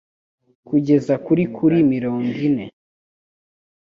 kugeza kuri kuri mirongi ine